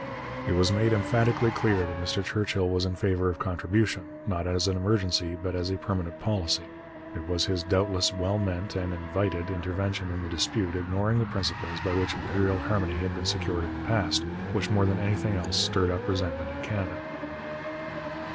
It was made emphatically clear that Mr Churchill was in favour of contribution, not as an emergency but as a permanent policy. It was his doubtless well meant and invited intervention in the dispute, ignoring the principles by which imperial harmony had been secured in the past, which more than anything else stirred up resentment in Canada.